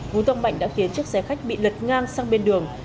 vụ tai nạn đã khiến chiếc xe khách bị lật ngang sang bên đường